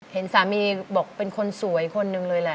เห็นสามีบอกเป็นคนสวยคนหนึ่งเลยแหละ